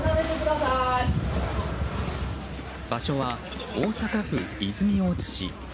場所は大阪府泉大津市。